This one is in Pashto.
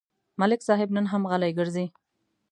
ملک صاحب نن هم غلی ګرځي.